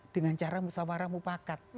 dengan cara musawara mupakat